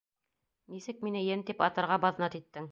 Нисек мине «ен» тип атарға баҙнат иттең?